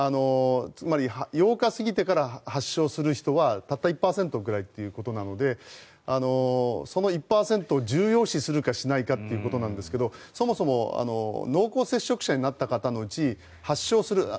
つまり、８日を過ぎてから発症する人はたった１％ぐらいということなのでその１％を重要視するかしないかということなんですがそもそも濃厚接触者になった方のうち発症する